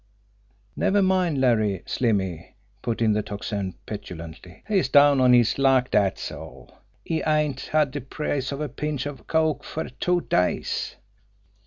"Never mind Larry, Slimmy," put in the Tocsin petulantly. "He's down on his luck, dat's all. He ain't had de price of a pinch of coke fer two days."